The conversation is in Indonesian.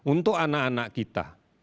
untuk anak anak kita